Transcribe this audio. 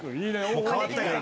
もう変わったから。